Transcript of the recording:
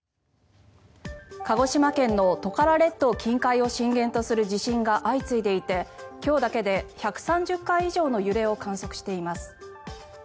鹿児島県のトカラ列島近海を震源とする地震が相次いでいて今日だけで１３０回以上の揺れを観測しています。